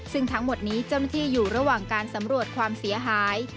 ซึ่งทั้งหมดนี้เจ้าหน้าที่อยู่ระหว่างการสำรวจความเสียหาย